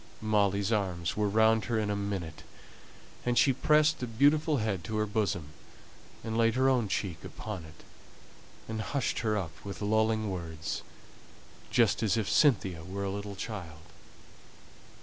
Molly's arms were round her in a minute, and she pressed the beautiful head to her bosom, and laid her own cheek upon it, and hushed her up with lulling words, just as if Cynthia were a little child.